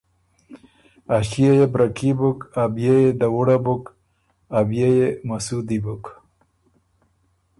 ا ݭيې يې بره کي بُک، ا ݭيې يې دَوُړه بُک، ا بيې يې مسُودی بُک،